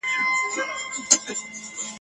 ما هم درلوده ځواني رنګینه !.